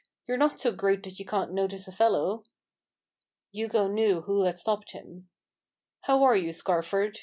You're not so great that you can't notice a fellow." Hugo knew who had stopped him. " How are you, Scarford